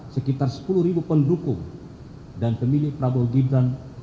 sekitar sepuluh pendukung dan pemilih prabowo gibran